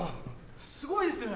すごいですね。